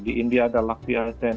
di india ada lakshya sen